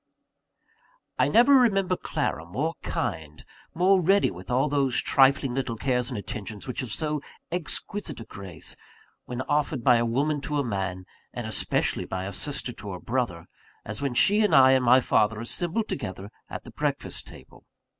I never remember Clara more kind, more ready with all those trifling little cares and attentions which have so exquisite a grace, when offered by a woman to a man, and especially by a sister to a brother, as when she and I and my father assembled together at the breakfast table.